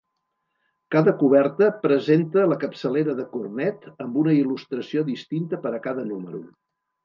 Cada coberta presenta la capçalera de Cornet amb una il·lustració distinta per a cada número.